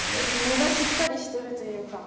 根がしっかりしてるというか。